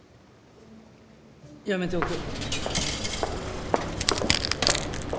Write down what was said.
やめておく。